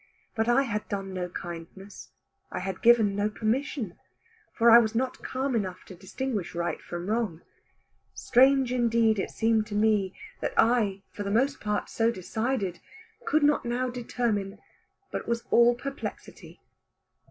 But I had done no kindness, I had given no permission; for I was not calm enough to distinguish right from wrong. Strange indeed it seemed to me that I, for the most part so decided, could not now determine, but was all perplexity.